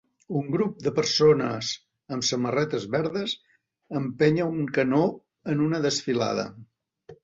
Un grup de persones amb samarretes verdes empenya un canó en una desfilada.